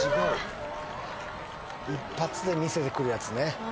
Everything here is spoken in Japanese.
一発で見せてくるやつね。